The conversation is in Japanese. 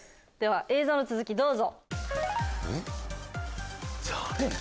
映像の続きどうぞ。